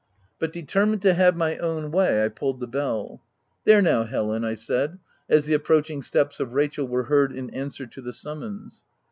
But determined to have my own way I pulled the bell. "There now, Helen!" I said, as the ap proaching steps of Rachel were heard in answer to the summons.